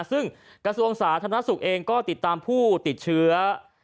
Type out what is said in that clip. ซึ่งกระทรวงสาธารณสุขเองก็ติดตามผู้ติดเชื้อ